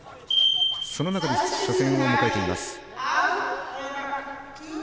その中で初戦を迎えています。